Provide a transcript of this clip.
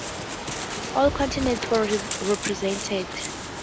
All continents were represented.